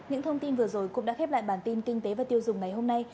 những thông tin vừa rồi cũng đã khép lại bản tin kinh tế và tiêu dùng ngày hôm nay